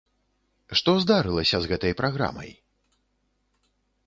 Што здарылася з гэтай праграмай?